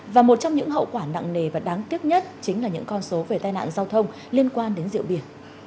và một trong những hậu quả nặng nề và đáng tiếc nhất chính là những con số về tai nạn giao thông liên quan đến rượu bia